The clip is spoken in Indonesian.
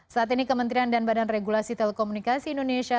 saat ini kementerian dan badan regulasi telekomunikasi indonesia